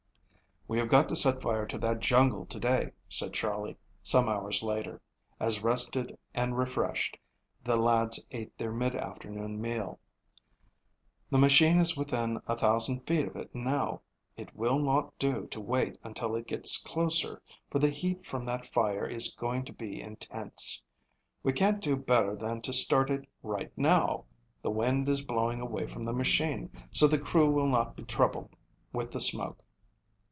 "We have got to set fire to that jungle to day," said Charley some hours later, as rested and refreshed, the lads ate their mid afternoon meal. "The machine is within a thousand feet of it now. It will not do to wait until it gets closer, for the heat from that fire is going to be intense. We can't do better than to start it right now. The wind is blowing away from the machine, so the crew will not be troubled with the smoke."